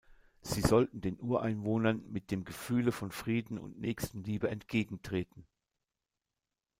Sie sollten den Ureinwohnern mit dem Gefühle von Frieden und Nächstenliebe entgegentreten.